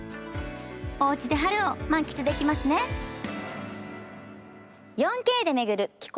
おうちで春を満喫できますね４Ｋで巡る紀行